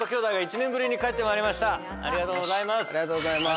ありがとうございます。